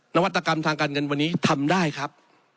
นวัตกรรมทางการเงินวันนี้ทำได้ครับ